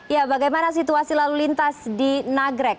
ya bagaimana situasi lalu lintas di nagrek